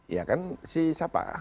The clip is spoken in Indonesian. ya kan si siapa